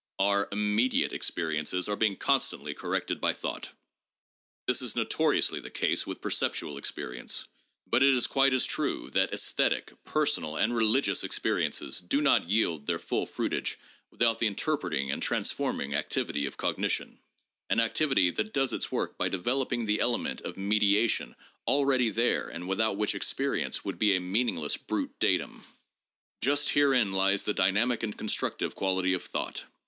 Our 'immediate' experiences are being constantly corrected by thought. This is notoriously the case with perceptual experience. But it is quite as true that esthetic, personal and religious ex periences do not yield their full fruitage without the interpreting and transforming activity of cognition, an activity that does its work by developing the element of mediation already there and without which experience would be a meaningless 'brute' datum. 178 THE JOURNAL OF PHILOSOPHY Just herein lies the dynamic and constructive quality of thought.